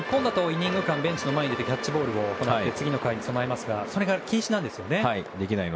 日本だとベンチ前でキャッチボールをして次の回に備えますがそれが禁止なんですよね。